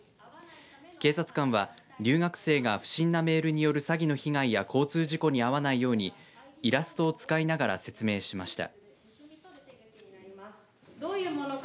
警察官は、留学生が不審なメールによる詐欺の被害や交通事故に遭わないようにイラストを使いながら説明しました。